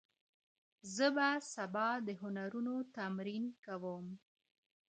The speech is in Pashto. زه به سبا د هنرونو تمرين کوم؟!